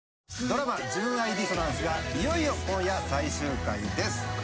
ドラマ『純愛ディソナンス』がいよいよ今夜最終回です。